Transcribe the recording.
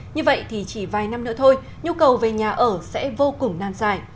như vậy thì chỉ vài năm nữa thôi nhu cầu về nhà ở sẽ vô cùng nan dài